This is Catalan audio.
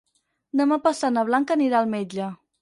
Demà passat na Blanca anirà al metge.